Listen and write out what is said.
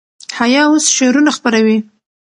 حیا اوس شعرونه خپروي.